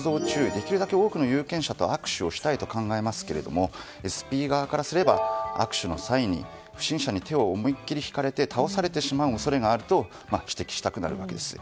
できるだけ多くの有権者と握手をしたいと考えますがＳＰ側からすれば握手の際に不審者に手を思い切り引かれて倒されてしまう恐れがあると指摘したくなるわけです。